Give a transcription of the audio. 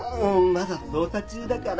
まだ捜査中だから。